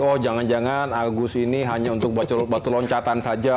oh jangan jangan agus ini hanya untuk batu loncatan saja